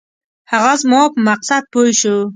هغه زما په مقصد پوی شو.